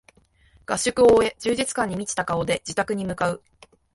合宿を終え充実感に満ちた顔で自宅に向かう